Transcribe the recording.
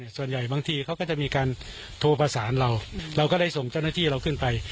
ส่วนใหญ่บางทีเขาก็จะมีการโทรประสานเราเราก็ได้ส่งเจ้าหน้าที่เราขึ้นไป